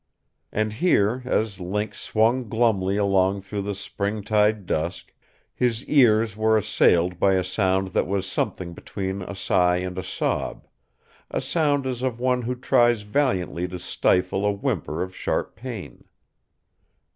And here, as Link swung glumly along through the springtide dusk, his ears were assailed by a sound that was something between a sigh and a sob a sound as of one who tries valiantly to stifle a whimper of sharp pain.